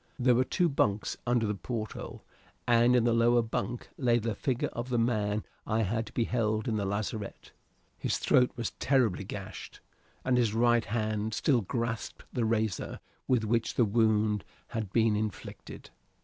There were two bunks under the porthole, and in the lower bunk lay the figure of the man I had beheld in the lazarette. His throat was terribly gashed, and his right hand still grasped the razor with which the wound had been inflicted.